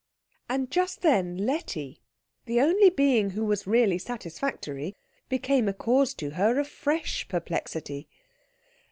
And just then Letty, the only being who was really satisfactory, became a cause to her of fresh perplexity.